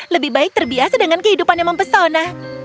lebih baik terbiasa dengan kehidupan yang mempesona